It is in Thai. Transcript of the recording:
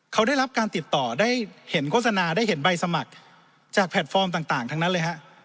เขาได้รับการติดต่อได้เห็นโฆษณาได้เห็นใบสมัครจากแพลตฟอร์มต่างทั้งนั้นเลยฮะ